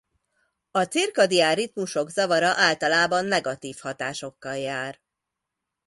A cirkadián ritmusok zavara általában negatív hatásokkal jár.